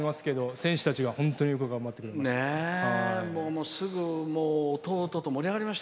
選手たちが本当によく頑張ってくれました。